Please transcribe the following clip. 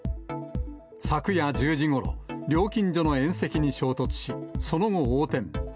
昨夜１０時ごろ、料金所の縁石に衝突し、その後、横転。